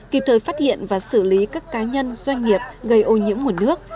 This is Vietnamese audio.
kịp thời phát hiện và xử lý các cá nhân doanh nghiệp gây ô nhiễm nguồn nước